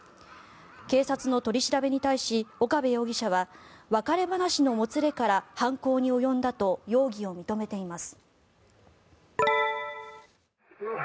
警察の取り調べに対し岡部容疑者は別れ話のもつれから犯行に及んだと容疑を認めています。